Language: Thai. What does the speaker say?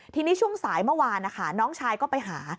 ทีนี้ช่วงสายเมื่อวานนะคะน้องชายก็ไปหา